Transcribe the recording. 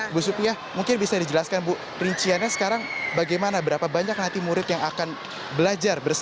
ibu supia mungkin bisa dijelaskan bu rinciannya sekarang bagaimana berapa banyak nanti murid yang akan belajar bersama